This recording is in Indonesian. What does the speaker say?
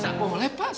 saya yang disuruh